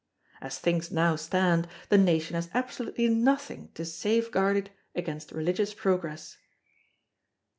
As things now stand, the nation has absolutely nothing to safeguard it against religious progress.